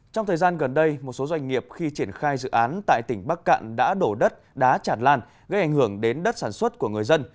trong thời gian gần đây một số doanh nghiệp khi triển khai dự án tại tỉnh bắc cạn đã đổ đất đá chản lan gây ảnh hưởng đến đất sản xuất của người dân